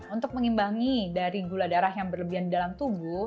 untuk mengimbangi dari gula darah yang berlebihan dalam tubuh